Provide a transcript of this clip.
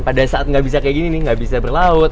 pada saat nggak bisa kayak gini nih nggak bisa berlaut